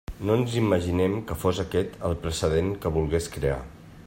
No ens imaginem que fos aquest el precedent que volgués crear.